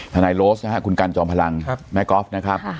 ทนายโลศนะฮะคุณกัลจอมพลังครับแม่กอล์ฟนะครับครับ